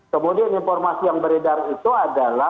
kemudian informasi yang beredar itu adalah